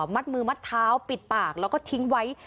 มัดมือมัดเท้าปิดปากแล้วก็ทิ้งไว้